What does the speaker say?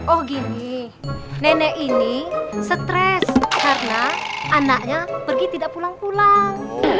oh gini nenek ini stres karena anaknya pergi tidak pulang pulang